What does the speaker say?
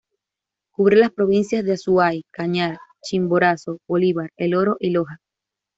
Cubre las provincias de Azuay, Cañar, Chimborazo, Bolívar, El Oro, y Loja.